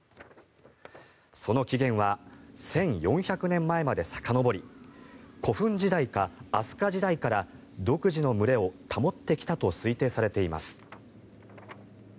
その起源は１４００年前までさかのぼり古墳時代か飛鳥時代から独自の群れを保ってきたと推定されています。